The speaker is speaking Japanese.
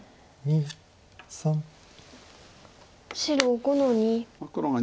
白５の二。